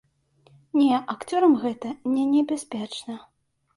Не, акцёрам гэта не небяспечна.